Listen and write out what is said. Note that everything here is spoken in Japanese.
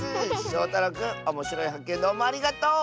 しょうたろうくんおもしろいはっけんどうもありがとう！